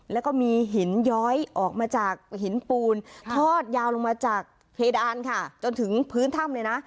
แล้วก็มีหินย้อยออกมาจากหินปูนทอดยาวลงมาจากเพดานค่ะจนถึงพื้นถ้ำเลยนะ